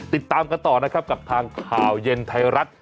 ติดตามกันต่อทางคราวเย็นไทยรัฐ